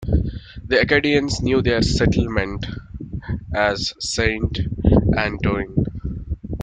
The Acadians knew their settlement as Saint Antoine.